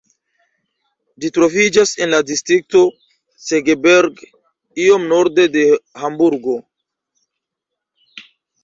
Ĝi troviĝas en la distrikto Segeberg, iom norde de Hamburgo.